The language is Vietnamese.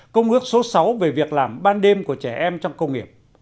công ước số sáu về việc làm ban đêm của trẻ em trong công nghiệp